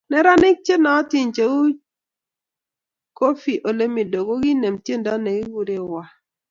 Neranik che nootin cheu Koffi Olomide kokiinem tiendo nekikuren waah